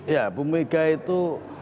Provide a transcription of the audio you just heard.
ya ibu mega itu